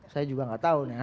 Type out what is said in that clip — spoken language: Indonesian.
saya juga gak tau